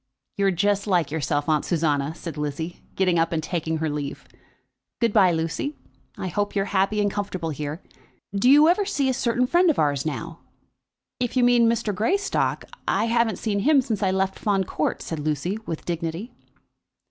"You're just like yourself, Aunt Susanna," said Lizzie, getting up and taking her leave. "Good bye, Lucy, I hope you're happy and comfortable here. Do you ever see a certain friend of ours now?" "If you mean Mr. Greystock, I haven't seen him since I left Fawn Court," said Lucy, with dignity.